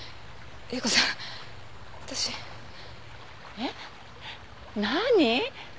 えっ？何？